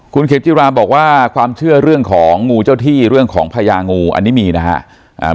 คุณเข็มจิราบอกว่าความเชื่อเรื่องของงูเจ้าที่เรื่องของพญางูอันนี้มีนะครับ